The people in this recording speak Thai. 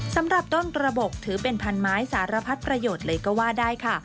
สำหรับต้นกระบบถือเป็นพันไม้สารพัดประโยชน์เลยก็ว่าได้ค่ะ